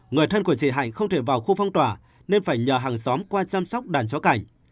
người thân của chị hạnh không thể vào khu phong tỏa nên phải nhờ hàng xóm qua chăm sóc đàn chó cảnh